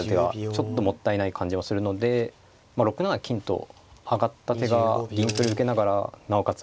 ちょっともったいない感じもするので６七金と上がった手が銀取り受けながらなおかつ